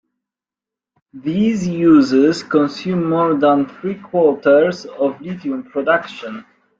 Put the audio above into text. These uses consume more than three quarters of lithium production.